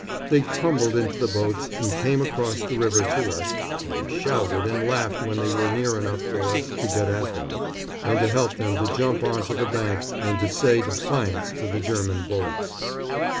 They tumbled into the boats and came across the river to us, and we shouted and laughed when they were near enough for us to get at them, and to help them to jump on to the bank and to say defiance to the German bullets.